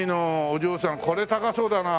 お嬢さんこれ高そうだな。